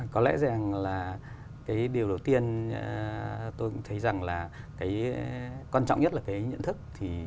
có lẽ rằng là điều đầu tiên tôi cũng thấy rằng là quan trọng nhất là cái nhận thức